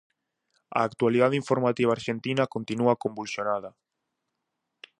A actualidade informativa arxentina continúa convulsionada.